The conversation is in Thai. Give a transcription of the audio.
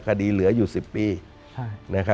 เหลืออยู่๑๐ปี